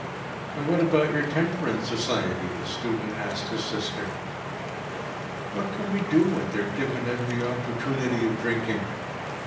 “And what about your temperance society?‚ÄĚ the student asked his sister. “What can we do when they are given every opportunity of drinking?